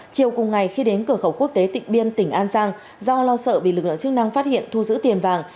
chiều cùng ngày khi đến cửa khẩu quốc tế tịnh biên tỉnh an giang do lo sợ bị lực lượng chức năng phát hiện thu giữ tiền vàng